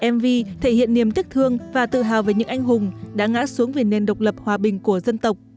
mv thể hiện niềm tiếc thương và tự hào về những anh hùng đã ngã xuống vì nền độc lập hòa bình của dân tộc